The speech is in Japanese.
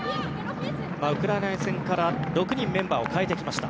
ウクライナ戦から６人メンバーを変えてきました。